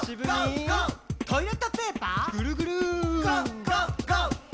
「トイレットペーパーＧＯＧＯＧＯ」ぐるぐる。